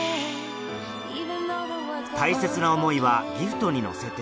大切な思いはギフトに乗せて